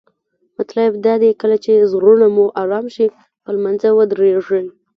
مطلب یې دا دی کله چې زړونه مو آرام شي پر لمانځه ودریږئ.